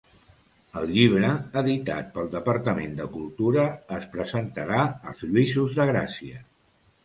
El llibre, editat pel Departament de Cultura, es presentarà als Lluïsos de Gràcia.